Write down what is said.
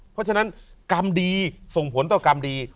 เพราะฉะนั้นกรรมดีส่งผลต่อกรรมดี